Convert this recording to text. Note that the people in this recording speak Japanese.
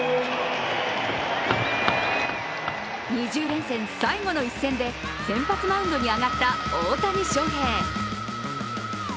２０連戦、最後の一戦で先発マウンドに上がった大谷翔平。